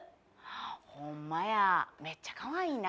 「ほんまやめっちゃかわいいな」